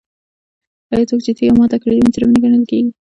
آیا څوک چې تیږه ماته کړي مجرم نه ګڼل کیږي؟